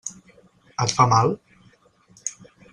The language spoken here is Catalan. Et fa mal?